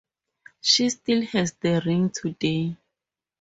She still has the ring today.